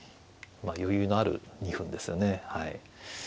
余裕のある２分ですよねはい。